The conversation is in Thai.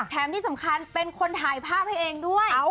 ที่สำคัญเป็นคนถ่ายภาพให้เองด้วย